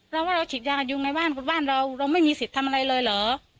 ว่าเราฉีดยากันยุงในบ้านเราเราไม่มีสิทธิ์ทำอะไรเลยเหรอ